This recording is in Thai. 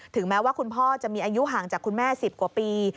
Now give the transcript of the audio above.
แม้ว่าคุณพ่อจะมีอายุห่างจากคุณแม่๑๐กว่าปี